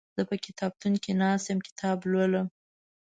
زه په کتابتون کې ناست يم کتاب لولم